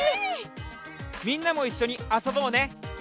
みんなもいっしょにあそぼうね！